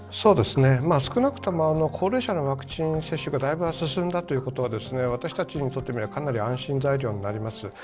少なくとも高齢者のワクチン接種がだいぶ、進んだということは私たちにとってみれば、かなり安心材料になります。